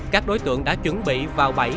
các đối tượng đã chuẩn bị vào bẫy